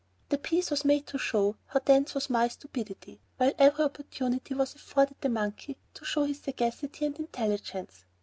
The piece was made to show how dense was my stupidity, while every opportunity was afforded the monkey to show his sagacity and intelligence.